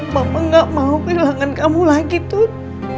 mama gak mau kehilangan kamu lagi tut